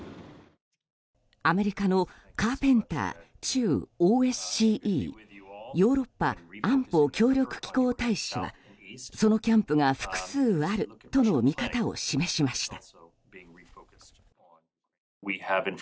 アメリカのカーペンター駐ＯＳＣＥ・ヨーロッパ安保協力機構大使がそのキャンプが複数あるとの見方を示しました。